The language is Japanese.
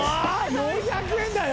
４００円だよ！？